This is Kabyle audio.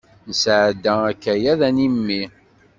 Nesɛedda akayad animi.